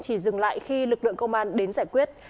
chỉ dừng lại khi lực lượng công an đến giải quyết